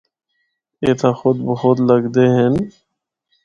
اِتھا خود بخود لگدے ہن۔